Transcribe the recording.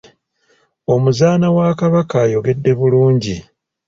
Omuzaana wa Kabaka ayogedde bulungi.